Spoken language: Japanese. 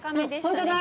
本当だ。